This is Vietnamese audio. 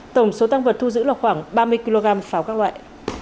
tổng số tăng vật thu giữ là khoảng ba mươi kg pháo các loại